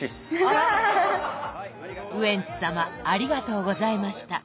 ウエンツ様ありがとうございました。